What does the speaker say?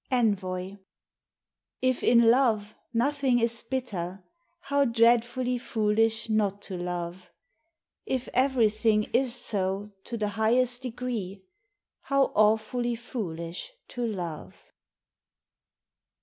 ENVOY. If in love, nothing is bitter, How dreadfully foolish not to love! If everything is so to the highest degree, How awfully foolish to love!